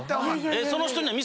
その人には。